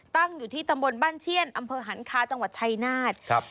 ตั้งอยู่ที่ตำบลบ้านเชี่ยนอำเภอหันคาจังหวัดชายนาฏครับ